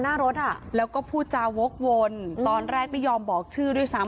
หน้ารถอ่ะแล้วก็พูดจาวกวนตอนแรกไม่ยอมบอกชื่อด้วยซ้ำ